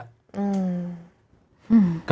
อืม